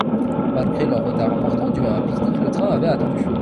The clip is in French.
Malgré leur retard important dû à un pique-nique, le train avait attendu.